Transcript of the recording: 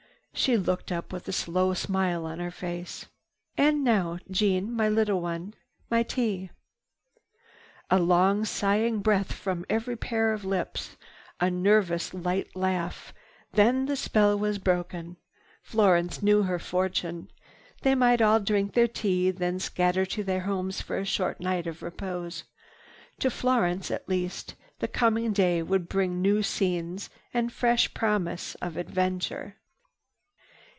She looked up with a slow smile on her face. "And now, Jeannie, my little one, my tea." A long sighing breath from every pair of lips, a light nervous laugh, then the spell was broken. Florence knew her fortune. They might all drink their tea, then scatter to their homes for a short night of repose. To Florence, at least, the coming day would bring new scenes and fresh promise of adventure.